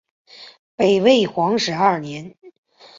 北魏皇始二年。